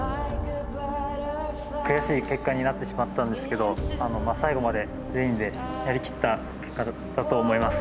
悔しい結果になってしまったんですけど最後まで全員でやりきった結果だったと思います。